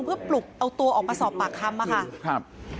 เอาตัวออกมาสอบปากคำมาค่ะ